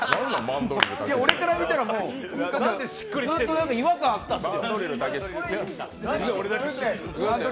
俺から見たら、ずっと違和感あったんです。